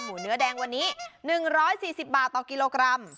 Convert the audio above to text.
เนื้อแดงวันนี้๑๔๐บาทต่อกิโลกรัม